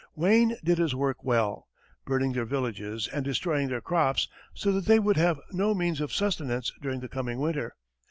Wayne did his work well, burning their villages, and destroying their crops, so that they would have no means of sustenance during the coming winter.